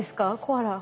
コアラ。